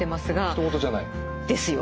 ひと事じゃない？ですよ。